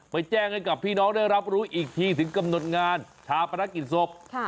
แจ้งให้กับพี่น้องได้รับรู้อีกทีถึงกำหนดงานชาปนกิจศพ